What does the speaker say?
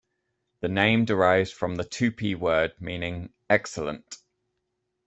The name derives from the Tupi word meaning "excellent".